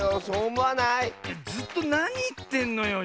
ずっとなにいってんのよ。